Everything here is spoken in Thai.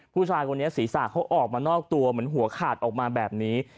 ผู้ชายคนนี้ศีรษะเขาออกมานอกตัวเหมือนหัวขาดออกมาแบบนี้